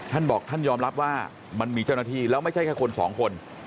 ท่านบอกท่านยอมรับว่ามันมีเจ้าหน้าที่แล้วไม่ใช่แค่คนสองคน